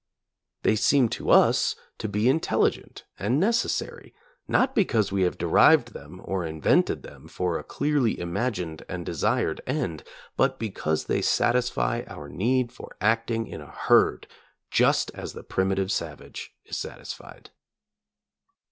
They seem to us to be intelligent and necessary not because we have derived them or invented them for a clearly imagined and desired end, but because they satisfy our need for acting in a herd, just as the primitive savage is satisfied.